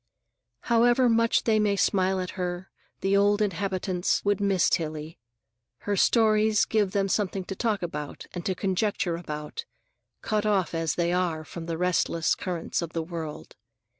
However much they may smile at her, the old inhabitants would miss Tillie. Her stories give them something to talk about and to conjecture about, cut off as they are from the restless currents of the world.